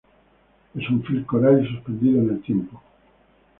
Es un film coral y suspendido en el tiempo.